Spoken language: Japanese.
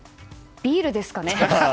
ビールですかね！